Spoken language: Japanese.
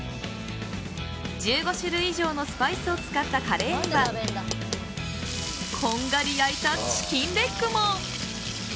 １５種類以上のスパイスを使ったカレーにはこんがり焼いたチキンレッグも。